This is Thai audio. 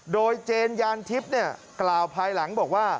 โดยเจนยานทิพย์กล่าวภายหลังบอกว่า